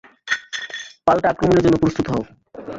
পাল্টা আক্রমণের জন্য প্রস্তুত হও।